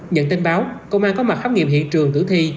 nhận tin báo công an có mặt khám nghiệm hiện trường tử thi